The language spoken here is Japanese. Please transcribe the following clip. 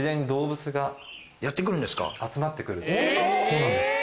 そうなんです。